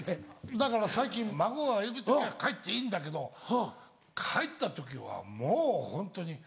だから最近孫がいる時は帰っていいんだけど帰った時はもうホントに。